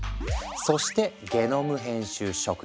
そしてゲノム編集食品。